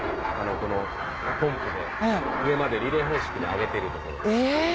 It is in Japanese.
このポンプで上までリレー方式で上げてるところ。